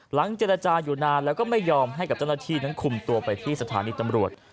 เจรจาอยู่นานแล้วก็ไม่ยอมให้กับเจ้าหน้าที่นั้นคุมตัวไปที่สถานีตำรวจ